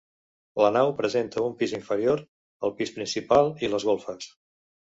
La nau presenta un pis inferior, el pis principal i les golfes.